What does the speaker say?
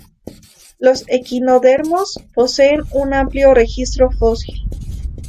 Los equinodermos poseen un amplio registro fósil.